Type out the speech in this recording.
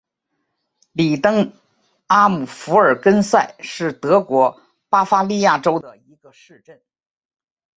里登阿姆福尔根塞是德国巴伐利亚州的一个市镇。